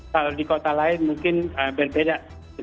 kalau di kota lain mungkin berbeda